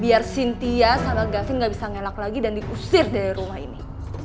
biar cynthia sama gavin gak bisa ngelak lagi dan diusir dari rumah ini